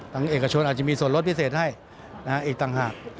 เอกชนอาจจะมีส่วนลดพิเศษให้อีกต่างหาก